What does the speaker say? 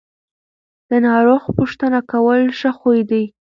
د ناروغ پوښتنه کول ښه خوی دی.